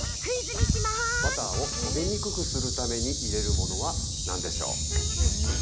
バターを焦げにくくするために入れるものは、何でしょう？